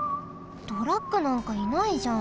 トラックなんかいないじゃん。